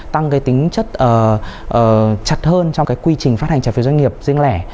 tăng cái tính chất chặt hơn trong cái quy trình phát hành trái phiếu doanh nghiệp riêng lẻ